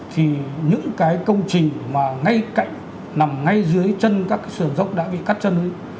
thì những cái công trình mà ngay cạnh nằm ngay dưới chân các sườn dốc đã bị cắt chân